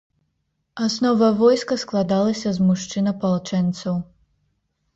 Аснова войска складалася з мужчын-апалчэнцаў.